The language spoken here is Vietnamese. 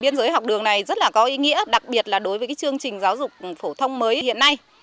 biên giới học đường này rất là có ý nghĩa đặc biệt là đối với chương trình giáo dục phổ thông mới hiện nay